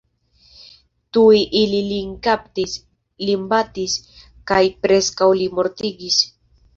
Tuj ili Lin kaptis, lin batis, kaj preskaŭ lin mortigis.